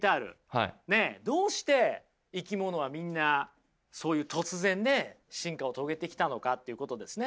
どうして生き物はみんなそういう突然ね進化を遂げてきたのかっていうことですね。